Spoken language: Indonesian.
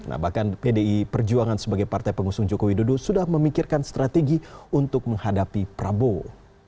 nah bahkan pdi perjuangan sebagai partai pengusung jokowi dodo sudah memikirkan strategi untuk menghadapi prabowo